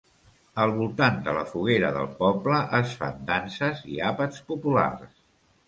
Al voltant de la foguera del poble es fan danses i àpats populars.